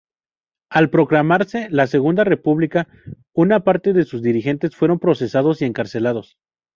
Al proclamarse la Segunda República, una parte de sus dirigentes fueron procesados y encarcelados.